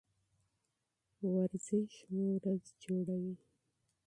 ورزش مو ورځ جوړوي.